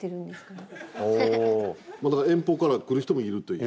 遠方から来る人もいるという。